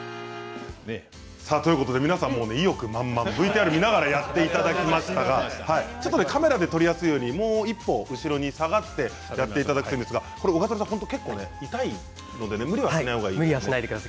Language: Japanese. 皆さん、意欲満々ＶＴＲ見ながらやっていただきましたがカメラ撮りやすいようにもう一歩、後ろに下がってやっていただきたいんですが結構、痛いので無理はしない方がいいですね。